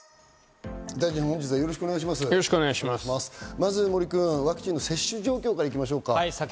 まずワクチンの接種状況から行きましょう。